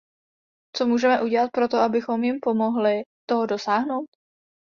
Co můžeme udělat pro to, abychom jim pomohli toho dosáhnout?